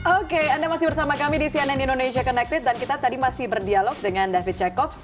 oke anda masih bersama kami di cnn indonesia connected dan kita tadi masih berdialog dengan david jacobs